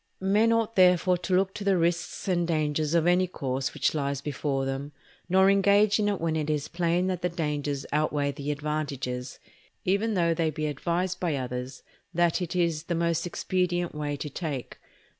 Men ought therefore to look to the risks and dangers of any course which lies before them, nor engage in it when it is plain that the dangers outweigh the advantages, even though they be advised by others that it is the most expedient way to take.